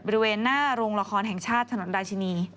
บริเวณหน้าโรงละครแห่งชาติถนนราชินี